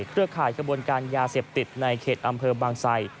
ข่ายกระบวนการยาเสพติดในเขตอำเภอบางไซ